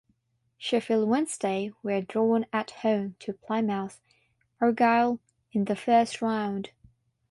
Sheffield Wednesday were drawn at home to Plymouth Argyle in the first round.